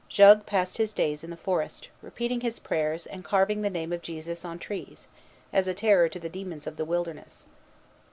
Jogues passed his days in the forest, repeating his prayers, and carving the name of Jesus on trees, as a terror to the demons of the wilderness.